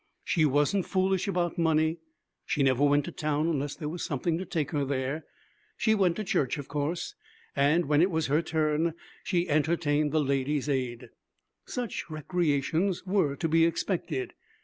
She wasn't foolish about money. She never went to town unless there was something to take her there. She went to church, of course, and when it was her turn, she entertained the Ladies' Aid. Such recreations were to be expected.